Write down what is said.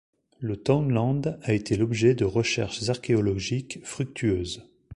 Le townland a été l'objet de recherches archéologiques fructueuses.